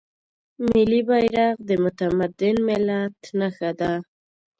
ملي بیرغ د متمدن ملت نښه ده.